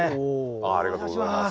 ありがとうございます。